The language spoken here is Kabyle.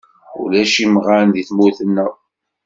Ulac imɣan deg tmurt-neɣ.